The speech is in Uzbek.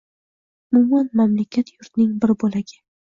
Umuman, mamlakat, yurtning bir boʻlagi